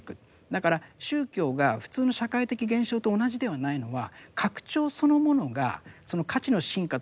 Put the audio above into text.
だから宗教が普通の社会的現象と同じではないのは拡張そのものがその価値の深化とは必ずしも一致しない。